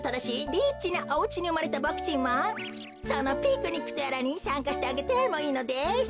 リッチなおうちにうまれたボクちんもそのピクニックとやらにさんかしてあげてもいいのです。